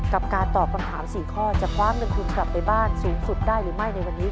การตอบคำถาม๔ข้อจะคว้าเงินทุนกลับไปบ้านสูงสุดได้หรือไม่ในวันนี้